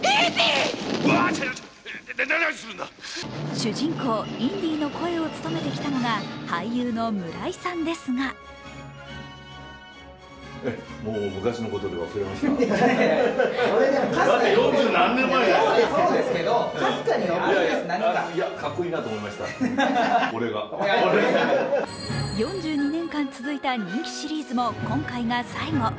主人公・インディの声を務めてきたのは俳優の村井國夫さんですが４２年間続いた人気シリーズも今回が最後。